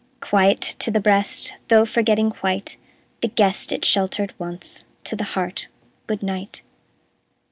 Quiet to the breast, Though forgetting quite The guest it sheltered once; To the heart, good night!